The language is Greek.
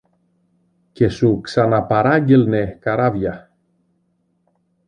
και σου ξαναπαράγγελνε καράβια